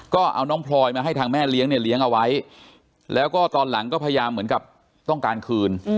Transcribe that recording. ก็เอาน้องพลอยมาให้ทางแม่เลี้ยงเนี่ยเลี้ยงเอาไว้แล้วก็ตอนหลังก็พยายามเหมือนกับต้องการคืน